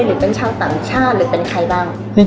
หรือเป็นชาวต่างชาติหรือเป็นใครบ้าง